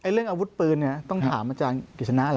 เรื่องอาวุธปืนเนี่ยต้องถามอาจารย์กิจนะแหละ